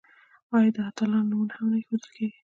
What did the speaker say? آیا د اتلانو نومونه هم نه ایښودل کیږي؟